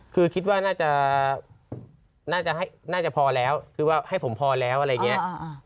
คือคิดว่าน่าจะน่าจะพอแล้วคือว่าให้ผมพอแล้วอะไรอย่างนี้